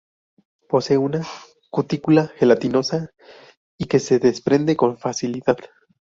Posee una cutícula gelatinosa y que se desprende con facilidad.